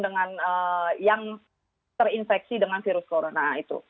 dengan yang terinfeksi dengan virus corona itu